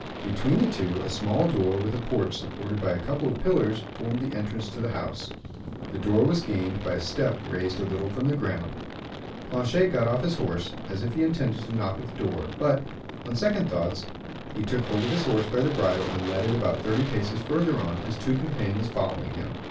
Between the two, a small door, with a porch supported by a couple of pillars, formed the entrance to the house. The door was gained by a step raised a little from the ground. Planchet got off his horse, as if he intended to knock at the door; but, on second thoughts, he took hold of his horse by the bridle, and led it about thirty paces further on, his two companions following him.